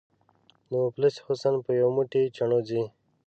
د مفلس حسن په یو موټی چڼو ځي.